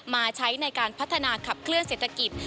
มาใช้ในการพัฒนาขับเคลื่อเศรษฐกิจ